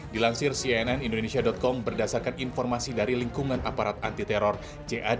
dilansir cnn indonesia com berdasarkan informasi dari lingkungan aparat anti teror jad